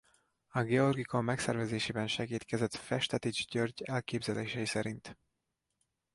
A Georgikon megszervezésében segédkezett Festetics György elképzelései szerint.